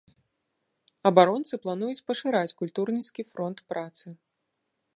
Абаронцы плануюць пашыраць культурніцкі фронт працы.